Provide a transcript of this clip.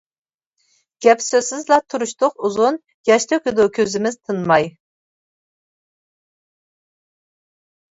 گەپ-سۆزسىزلا تۇرۇشتۇق ئۇزۇن، ياش تۆكىدۇ كۆزىمىز تىنماي.